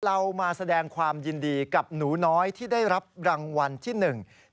เรามาแสดงความยินดีกับหนูน้อยที่ได้รับรางวัลที่หนึ่ง